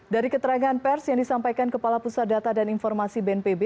dari keterangan pers yang disampaikan kepala pusat data dan informasi bnpb